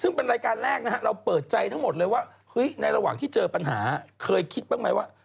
ซึ่งเป็นรายการแรกนะฮะเราเปิดใจทั้งหมดเลยว่าเฮ้ยในระหว่างที่เจอปัญหาเคยคิดบ้างไหมว่า